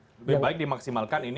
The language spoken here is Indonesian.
lebih baik dimaksimalkan ini